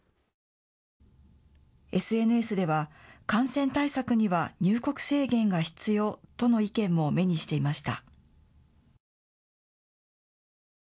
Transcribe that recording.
ＳＮＳでは感染対策には入国制限が必要との意見も目にしていました。